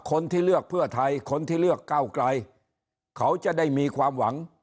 คนที่เลือกเพื่อไทยคนที่เลือกก้าวไกลเขาจะได้มีความหวัง